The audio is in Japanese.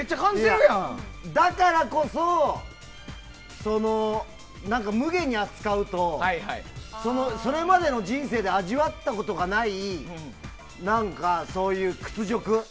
だからこそ無下に扱うと、それまでの人生で味わったことがない屈辱？